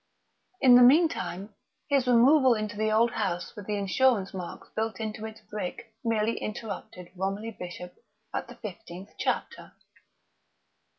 In the meantime, his removal into the old house with the insurance marks built into its brick merely interrupted Romilly Bishop at the fifteenth chapter.